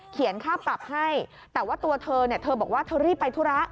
เขียนค่าปรับให้แต่ว่าตัวเธอเธอบอกว่าเธอรีบไปธุระ